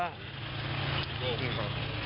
ไม่ค่ะ